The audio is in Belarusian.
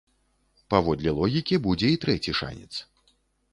Паводле логікі, будзе і трэці шанец.